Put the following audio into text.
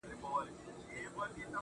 • ستا زړه ته خو هر څوک ځي راځي گلي.